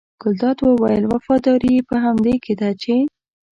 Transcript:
ګلداد وویل وفاداري یې په همدې کې ده چې.